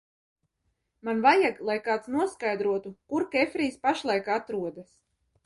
Man vajag, lai kāds noskaidrotu, kur Kefrijs pašlaik atrodas!